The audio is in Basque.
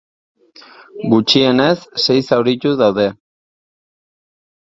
Gutxienez, sei zauritu daude.